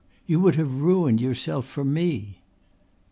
You would have ruined yourself for me."